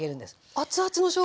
熱々のしょうが